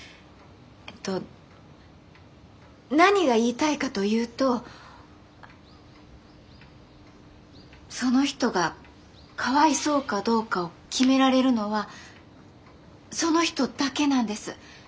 えっと何が言いたいかというとその人がかわいそうかどうかを決められるのはその人だけなんです。